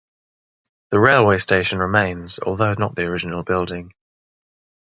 The railway station remains, although not the original building.